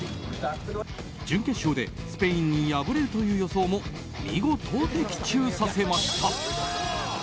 準決勝でスペインに敗れるという予想も見事、的中させました。